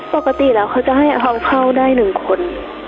ปกติแล้วเขาจะให้ห้องเข้าได้หนึ่งคน